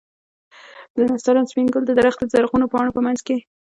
د نسترن سپين ګلان د درختې د زرغونو پاڼو په منځ کښې.